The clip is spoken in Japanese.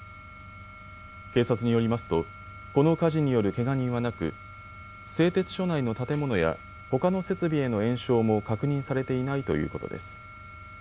警察によりますとこの火事によるけが人はなく製鉄所内の建物やほかの設備への延焼も確認されていないということです。